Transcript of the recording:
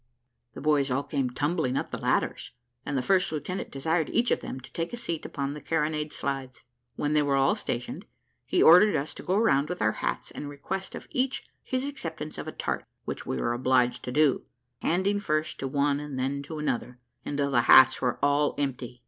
The boys all came tumbling up the ladders, and the first lieutenant desired each of them to take a seat upon the carronade slides. When they were all stationed, he ordered us to go round with our hats and request of each his acceptance of a tart, which we were obliged to do, handing first to one and then to another, until the hats were all empty.